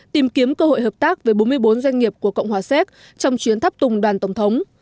tìm kiếm cơ hội hợp tác với bốn mươi bốn doanh nghiệp của cộng hòa xéc trong chuyến thắp tùng đàn tổng thống